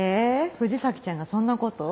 藤崎ちゃんがそんなことを？